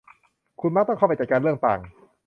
คุณมักต้องเข้าไปจัดการเรื่องต่าง